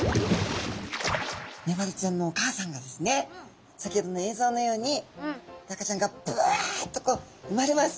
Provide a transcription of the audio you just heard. メバルちゃんのお母さんがですね先ほどの映像のように赤ちゃんがぶわっとこううまれます。